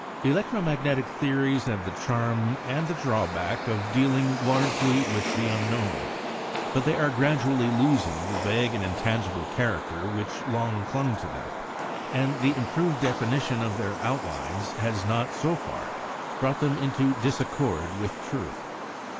Electro magnetic theories have the charm, and the drawback, of dealing largely with the unknown. But they are gradually losing the vague and intangible character which long clung to them; and the improved definition of their outlines has not, so far, brought them into disaccord with truth.